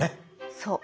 そう。